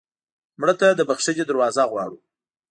مړه ته د بښنې دروازه غواړو